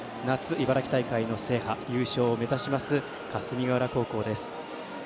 茨城大会の制覇優勝を目指します霞ヶ浦高校です。